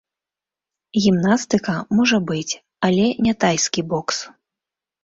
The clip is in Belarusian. Гімнастыка, можа быць, але не тайскі бокс.